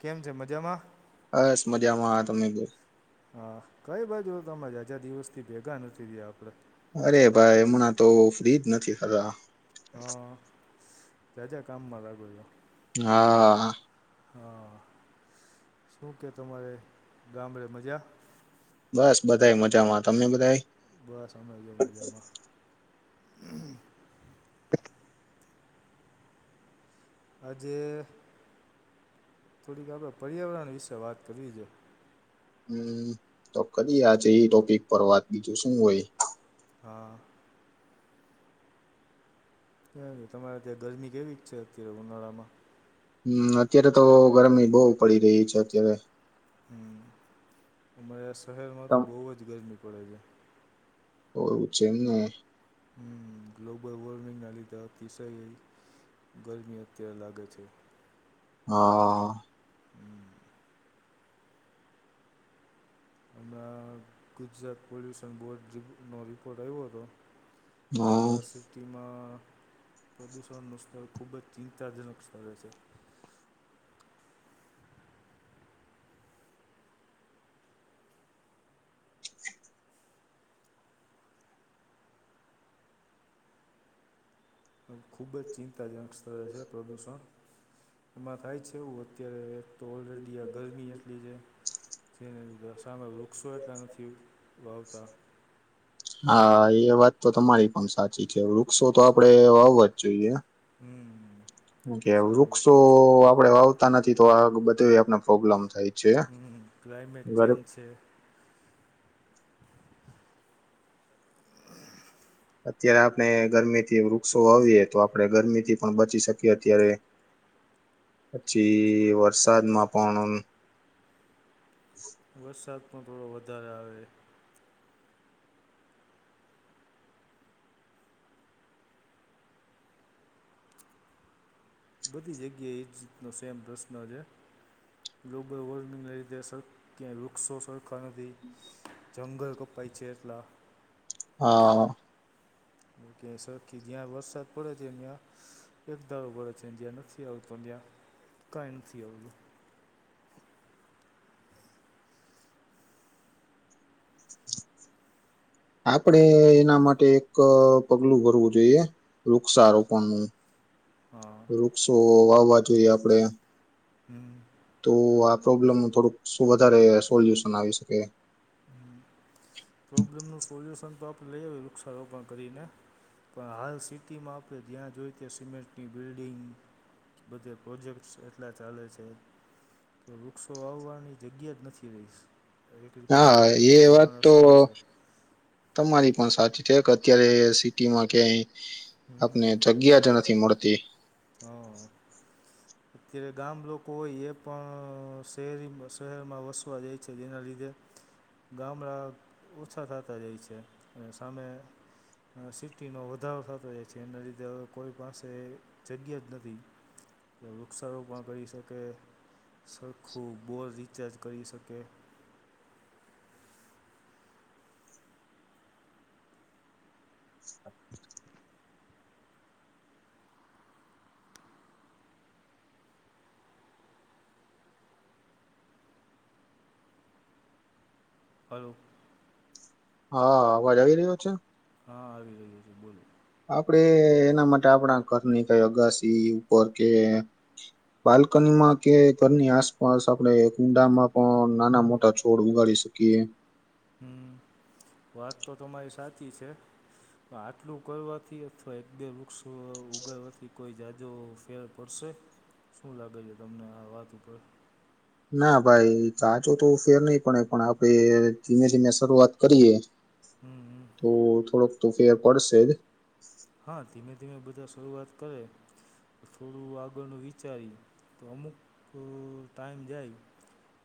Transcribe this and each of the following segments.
કેમ છે મજામાં? બસ મજામાં હા તમને બહુ હા કઈ બાજુ તમા હજાર દિવસથી ભેગા નથી રહયા આપડે અરે ભાઈ હમણાં તો ફ્રીજ નથી ખતા હા તેજ કામ મારા કરયો હા હા શું કે તમારે ગામડે મજા બસ બધા મજા માં તમને બધા બસ અમેજમાંજમાં [inaudible] આજે થોડીક આપણે પર્યાવરણ વિશે વાત કરવી છે હમ તો કરી આજે એ ટોપિક પર વાત બીજું શું હોય હા કે તમારે ત્યાં ગરમી કેવી છે અત્યારે ઉનાળામાં હમ અત્યારે તો ગરમી બહુ પડી રહી છે અત્યારે હ અમારે શહેરમાં તો તમ બહુ જ ગરમી પડે છે ઓવું છે એમને હ ગ્લોબલ વોર્મિંગના લીધે અતિશય ગરમી અત્યારે લાગે છે હા હમ હમણાં ગુજરાત પોલ્યુશન બોર્ડ નો રિપોર્ટ આવ્યો હતો હમ અપલાસિક ખેતીમાં પ્રદૂષણનું સ્તર ખૂબ જ ચિંતાજનક સ્થળે છે. તો ખૂબ જ ચિંતાજનક સ્થળે છે પ્રદૂષણ એમાં થાય છે એવું અત્યારે તો ઓલરેડી આ ગરમી એટલી છે તેની બસ કારમે વૃક્ષો એટલા નથી વાવતા. હા એ વાત તો તમારી પણ સાચી છે વૃક્ષો તો આપડે વાવવા જ જોઈએ. હમ્મ. કે વૃક્ષો આપડે વાવતા નથી તો આ બધું આપને પ્રોબ્લેમ થાય. છે હ ક્લાઇમેટ ગર ચેન્જ છે. હ. અત્યારે આપણે ગરમીથી વૃક્ષો વાવીએ તો આપડણે ગરમી થી પણ બચી શકીએ અત્યારે. હ. પછી વરસાદમાં પણ વરસાદ પણ થોડો વધારે આવે. બધી જગ્યાએ એજ રીતનો સેમ પ્રશ્ન છે. ગ્લોબલ વોર્મિંગના લીધે સરખ ક્યાંય વૃક્ષો સરખા નથી. જંગલ કપાઈ છે એટલા હા. કે સરખી જ્યાં વરસાદ પડે છે અહી્યાં એક દારોબ છે્યા નથી આવતો ત્યા કંઈ નથી આવતું. આપડે એના માટે એક પગલું ભરવું જોઈએ વૃક્ષારોપણ નું. હા. વૃક્ષો વાવવા જોઈએ આપડે. હમ્મ. તો આ પ્રોબ્લેમ થોડુંક શું વધારે સોલ્યુશન આવી શકે? હમ. પ્રોબ્લેમનું સોલ્યુશન તો આપણે લઈ આવીએ વૃક્ષારોપણ કરીને. પણ હાલ સિટીમાં આપણે જ્યાં જોઈ ત સિમેન્ટની બિલ્ડિંગ બધે પ્રોજેક્ટ્સ એટલા ચાલે છે. તો વૃક્ષો વાવવાની જગ્યા જ નથી રહીશ એક રીતે હા જોવા જઈ ને એ તો વાત મહારષ્ટ્ર તમારી પણ સાચી છે કે અત્યારે સિટીમાં ક્યાંય આપને જગ્યા જ નથી મળતી. ઘ અત્યારે ગામ લોકો હોય એ પણ શહેરીમાં શહેરમાં વસવા જાય છે. જેના લીધે ગામામડા ઓછા થતા જાય છે અને સામે સિટીનો વધારો થતો હો છે એના લીધે હવે કોઈ પાસે જગ્યા જ નથી કે વૃક્ષારોપણ કરી શકે સરખું બોર રિચાર્જ કરી શકે. હા. હલો. હા અવાજ આવી રહ્યો છે? હા આવી રહઈ્યો છ છે બોલો. આપડે એના માટે આપણા ઘરની કઈ અગાસી ઉપર કે બાલ્કનીમાં કે ઘરની આસપાસ આપણે કુંડામાં પણ નાના મોટા છોડ છોડ ઉગાડી સુકીીએ. હમ વાત તો તમારી સાચી છે. તો આટલું કરવાથી અથવા એક બે વૃક્ષો ઉગાડવાથી કોઈ જાજો ફેર પડશે શું લાગે છે તમને આ વાત ઉપર. ના ભાઈ કાચો તો ફેર નહી પડે પણ આપડે ધીમે ધીમે શરૂઆત કરીએ હમ હમ તો થોડોક તો ફેર પડશે જ. હા ધીમે ધીમે બધા શરૂઆત કરે થોડું આગળનું વિચારી તો અમુક ટાઈમ જાય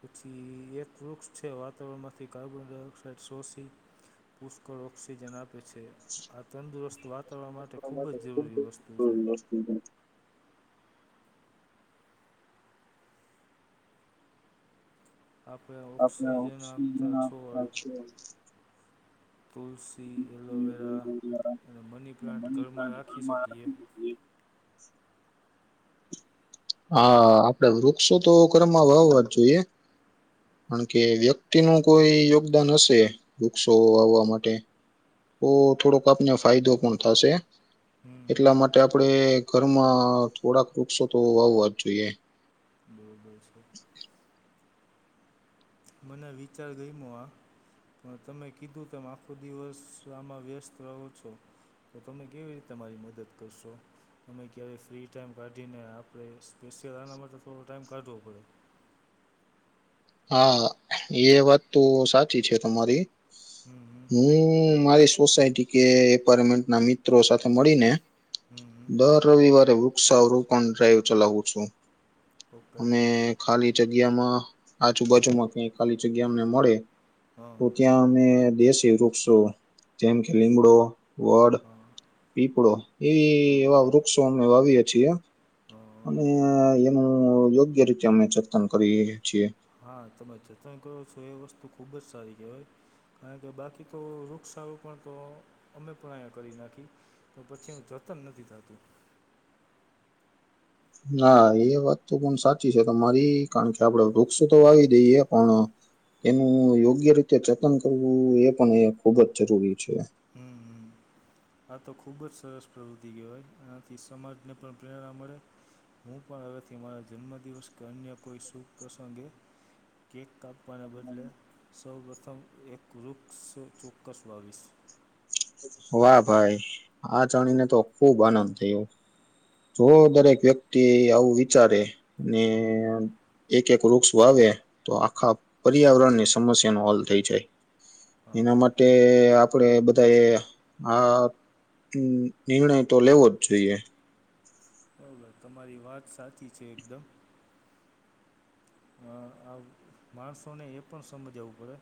પછી એક વૃક્ષ છે વાતાવરણમાંથી કાર્બન ડાયોક્સાાઈડ સોંસી પુષ્કળ ઓક્સિજન આપે છે આ તંદુરસ્ત વાત તવા માટે ખૂબ જ જરૂરી વસ્તુ છે. [inaudible] આપણે આપણે ઓક્સિજન આપતા આપતા છોડ. છે, તુલસી, એલોવેરા અને મની પ્લાન્ટ ઘરમાં રાખી શકીએ. [inaudible] [unintelligible] હા આપડે વૃક્ષો તો ઘરમાં વાવવા જ જોઈએ. કારણ કે વ્યક્તિનું કોઈ યોગદાન હશે વૃક્ષો વાવવા માટે. તો થોડોક આપને ફાયદો પણ થાશે હમ એટલા માટે આપણે ઘરમાં થોડાક વૃક્ષો તો વાવવા જ જોઈએ. બરોબર છે. મને વિચાર ગયમો આ. પણ તમે કીધું તેમ આખો દિવસ આમાં વ્યસ્ત રહો છો. તો તમે કેવી રીતે મારી મદદ કરશો? તમે ક્યારેય ફ્રી ટાઈમ કાઢીને આપણે સ્પેશિયલ આના માટે થોડો ટાઈમ કાઢવો પડે. હા એ વાત તો સાચી છે તમારી. હમ હું મારી સોસાયટી કે એપાર્ટમેન્ટના મિત્રો સાથે મળીને હમ હમ દર રવિવારે વૃક્ષારોપણ ડ્રાઈવ ચલાવું છું. હમ ઓકે અમે ખાલી જગ્યામાં હા આજુબાજુમાં ક્યાંય ખાલી જગ્યા અમને મળે હા તો ત્યાં અમે દેશે રોપ વૃક્ષો જેમ કે લીમડો વડ, હા પીપળો હા એવી એવા વૃક્ષો અમે વાવીએ છીએ. હા અને એનું યોગ્ય રીતે અમે જતન કરીએ છીએ. હા તમે જતન કરો છો એ વસ્તુ ખુબ જ સારી કહેવાય. કારણ કે બાકી તો વૃક્ષારોપણ તો અમે પણ અહીંયા કરી નાખી. તો પછી હું જતન નથી થાતું. ના એ વાત તો પણ સાચી છે તમારી કારણ કે આપડે વૃક્ષો તો વાવી દઈએ પણ એનું યોગ્ય રીતે જતન કરવું એ પણ એ ખુબ જ જરૂરી છે. હમ હમ આ તો ખૂબ જ સરસ પ્રવૃત્તિ કહેવાય એનાથી સમાજને પણ પ્રેરણા મળે. હું પણ હવેથી મારા જન્મદિવસ કે અન્ય કોઈ શુભ પ્રસંગે કેક કાપવાને બદલે સૌ પ્રથમ એક વૃક્ષ ચોક્કસ વાવીશ. વાહ! ભાઈ આ જાણીને તો ખુબ આનંદ થયો. જો દરેક વ્યક્તિ આવું વિચારે ને હમ એક એક વૃક્ષ વાવે તો આખા પર્યાવરણની સમસ્યાનો હલ થઈ જાય. હા એના માટે આપડે બધાએ હહ નિર્ણય તો લેવો જ જોઈએ. બરોબર તમારી વાત સાચી છે એકદમ. અ આ માણસોને એ પણ સમજાવવું પડે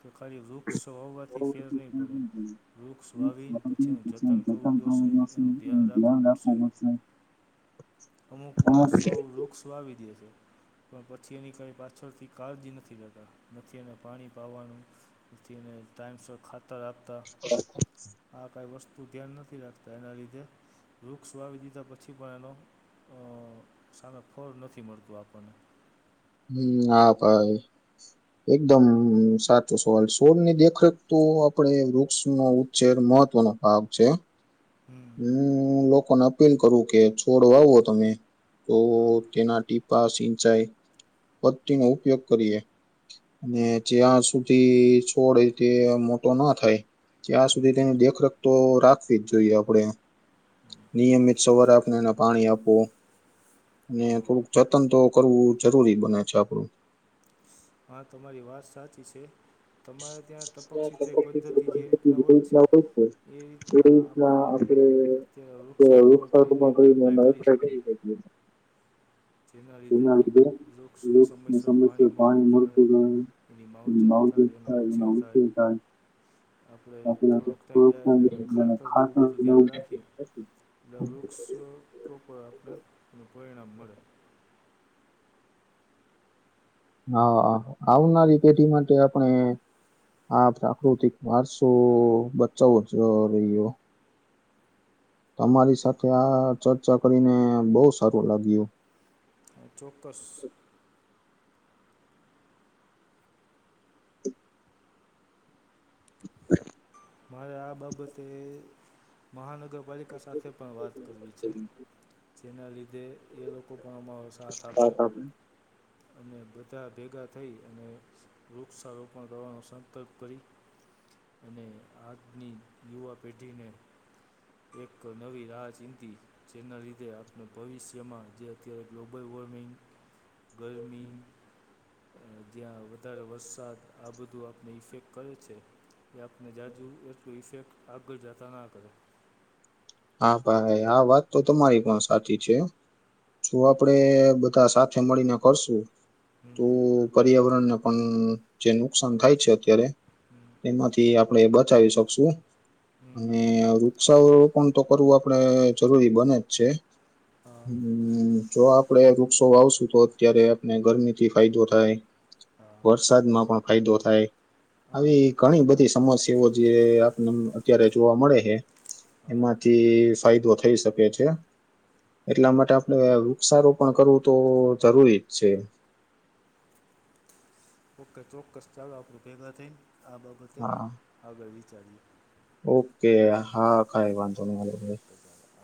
કે ખાલી વૃક્ષ વાવવા થી ફેર હોવાથી નહીં તે પડે. જ જોઈએ. વૃક્ષ વાવીન પછી એનું જતન કરવું જોશે એનું ધ્યાન રાખવું પડશે. અમુક બરાબર. માણસો વૃક્ષ વાવી દે છે પણ પ છી એની કાઈ પાછળથી કાળજી નથી લેતા નથી એને પાણી પાવાનું. નથી એને ટાઈમસર ખાતર આપતા. આ કાઈ વસ્તુ ધ્યાન નથી રાખતા એના લીધે વૃક્ષ વાવી દીધા પછી પણ એનો અ સારા ફળ નથી મળતું આપણને. હમ હા ભાઈ. એકદમ સાચો સવાલ સોળની દેખરેખ તો આપણેે વૃક્ષનો ઉછેર મહત્વનનો લાભ છે. હમ હું લોકોને અપીલ કરું કે છોડ વાવો તમે તો હા તેના ટી બસ સિંચાઈ પત્તી નો ઉપયોગ કરીએ. અને જ્યાં સુધી છોડ તે મોટો ન થાય. ત્યાં હમ સુધી તેની દેખરખ તો રાખવીજ જોઈએ આપ પને નિયમિત સવાર આપને ને પાણી આપવું. ને હા થોડુંક જતન તો કરવું જરૂરી બને છે આપડું. હા તમારી વાત સાચી છે. તમારે ત્યાં તપક એ સિંચાઈ પદ્ધતિ જે રીતના હોય છે એ રીતના આપણે તે વૃક્ષારોપણ કરીને એમાં એપ્લાય કરી શકીએ. જેના લીધે વૃક્ષને સમયસર પાણી મળ [unintelligible] માવજત એની થાય એમ [unintelligible] આપણે થોડોક ટાઈમ જાય એટલે એને [unintelligible] નો વૃક્ષો પ્રપર આપને એનું પરિણામ મળે. હા આવનારી પેઢી માટે આપણે હા પ્રાકૃતિક વારસો બચાવવોજ રહીયો. તમારી સાથે આ ચર્ચા કરીને બહુ સારું લાગ્યું. ચોક્કસ. [inaudible] મારે આ બાબતે મહાનગરપાલિકા સાથે પણ વાત કરવી છે. જેના લીધે એ લોકો પણ અમારો સાથ આપે. અને બધા ભેગા થઈ અને વૃક્ષક્ષારોપણ કરવાનો સંકલ્પ કરી. અને આજની યુવા પેઢીને એક નવી રાજનીતિ જેના લીધે આપણે ભવિષ્યમાં જે અત્યારે ગ્લોબલ વોર્મિંગ ગરમી. જ્યાં વધારે વરસાદ આ બધું આપણે ઇફેક્ટ કરે છે એ આપણે હજુ એટલું ઇફેક્ટ આગળ જતા ના કરે. હા ભાઈ આ વાત તો તમારી પણ સાચી છે. જો આપડે બધા સાથે મળીને કરશું. તો હમ્મ પર્યાવરણને પણ જે નુકસાન થાય છે અત્યારે હમ તેમાંથી આપણે બચાવી શકશું હમ અને વૃક્ષા તો કરવું આપણે જરૂરી બને જ છે હા જો આપ પડે વૃક્ષો વાવશું તો અત્યારે આપને ગરમી થી ફાયદો થાય. હા વરસાદમાં પણ ફાયદો થાય. હા આવી ઘણી બધી સમસ્યાઓ જે આપને અત્યારે જોવા મળે છે. હા એમાંથી ફાયદો થઈ શકે છે. એટલા હમ માટે આપણે વૃક્ષારોપણ કરવું તો જરૂરીજ છે. ઓકે ચોક્કસ ચાલો આપણું ભેગા થઈને આ બાબતે હા આગળ વિચારીએ. ઓકે હા કાઈ વાંધો નહી. ઓકે ચાલો